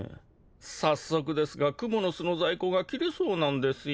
早速ですが蜘蛛の巣の在庫が切れそうなんですよ。